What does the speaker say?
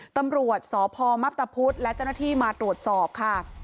ตำรวจสพมับตะพุธและเจ้าหน้าที่มาตรวจสอบค่ะ